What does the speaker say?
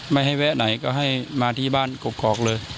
ไม่ให้แวะไหนก็ให้มาที่บ้านกกอกเลย